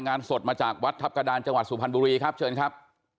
งานสดมาจากวัดทัพกระดานจังหวัดสุพรรณบุรีครับเชิญครับ